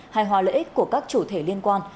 hài hòa lợi ích của các chủ thể liên quan